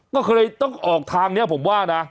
ก็เลยต้องออกทางนี้ผมว่านะ